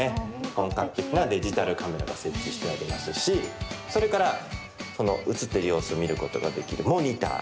本格的なデジタルカメラが設置してありますしそれから、写っている様子見ることができるモニター。